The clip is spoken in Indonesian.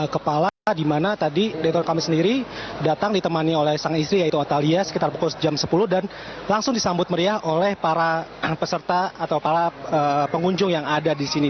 kepala di mana tadi ridwan kamil sendiri datang ditemani oleh sang istri yaitu atalia sekitar pukul jam sepuluh dan langsung disambut meriah oleh para peserta atau para pengunjung yang ada di sini